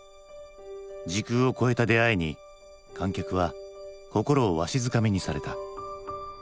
時空を越えた出会いに観客は心をわしづかみにされた。